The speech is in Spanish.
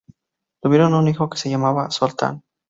Tuvieron un hijo que se llamaba Zoltán.